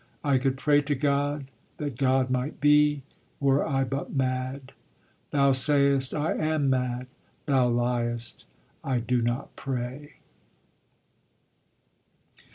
I could pray to God that God might be, Were I but mad. Thou sayest I am mad: thou liest: I do not pray.